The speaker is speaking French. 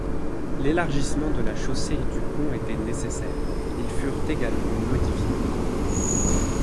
L'élargissement de la chaussée et du pont étant nécessaire, ils furent également modifiés.